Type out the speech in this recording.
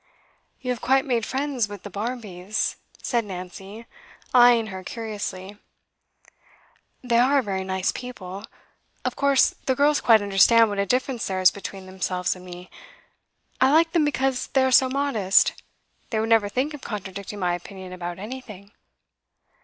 'You have quite made friends with the Barmbys,' said Nancy, eyeing her curiously. 'They are very nice people. Of course the girls quite understand what a difference there is between themselves and me. I like them because they are so modest; they would never think of contradicting my opinion about anything.